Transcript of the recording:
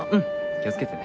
気をつけてね。